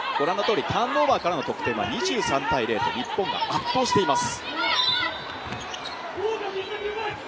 ターンオーバーからの得点は２３−０と日本が圧倒しています。